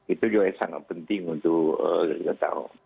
itu juga sangat penting untuk kita tahu